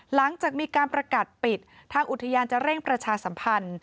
หลังจากมีการประกาศปิดทางอุทยานจะเร่งประชาสัมพันธ์